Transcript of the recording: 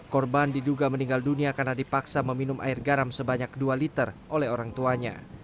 korban diduga meninggal dunia karena dipaksa meminum air garam sebanyak dua liter oleh orang tuanya